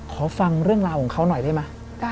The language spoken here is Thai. ฟังเรื่องราวของเขาหน่อยได้ไหม